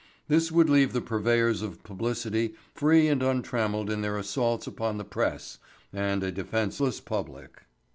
This would leave the purveyors of publicity free and untrammeled in their assaults upon the press and a defenseless public.